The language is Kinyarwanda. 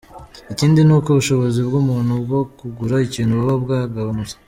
Ikindi ni uko ubushobozi bw’umuntu bwo kugura ikintu, buba bwagabanutse.